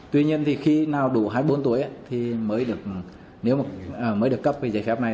tuy nhiên thì khi nào đủ hai mươi bốn tuổi thì mới được cấp giấy phép này